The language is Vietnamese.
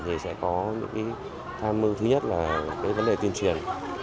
thì sẽ có những cái tham mưu thứ nhất là cái vấn đề tuyên truyền